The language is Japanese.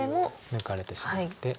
抜かれてしまって。